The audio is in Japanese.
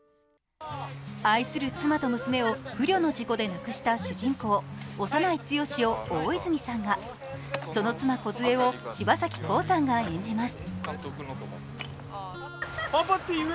愛する妻と娘を不慮の事故で亡くした主人公・小山内堅を大泉さんが、その妻、梢を柴咲コウさんが演じます。